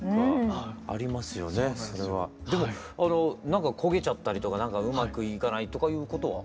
なんか焦げちゃったりとかうまくいかないとかいうことは？